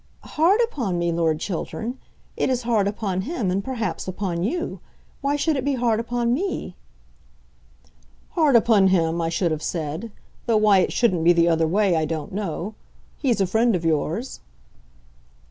"Hard upon me, Lord Chiltern! It is hard upon him, and, perhaps, upon you. Why should it be hard upon me?" "Hard upon him, I should have said. Though why it shouldn't be the other way I don't know. He's a friend of yours."